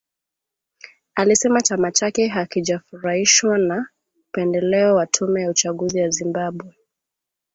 alisema chama chake hakijafurahishwa na upendeleo wa tume ya uchaguzi ya Zimbabwe